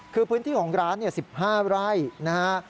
คือพื้นที่ของร้าน๑๕ไร่นะฮะ